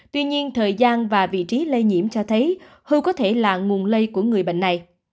tuy nhiên thời gian và vị trí lây nhiễm cho thấy hưu có thể là nguồn lây của người bệnh này